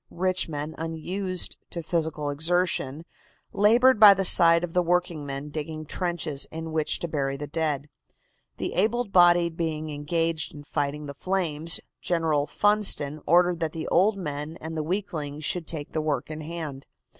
Rich men, unused to physical exertion, labored by the side of the workingmen digging trenches in which to bury the dead. The able bodied being engaged in fighting the flames, General Funston ordered that the old men and the weaklings should take the work in hand.